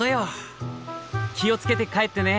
気を付けて帰ってね。